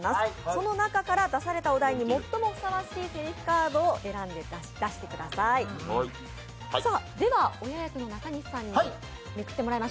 その中から出されたお題に最もふさわしいせりふカードを選んで出してください。